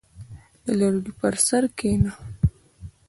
• د لرګي پر سر کښېنه.